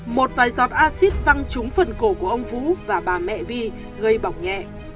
một vài giọt axit văng trúng phần cổ của ông vũ và bà mẹ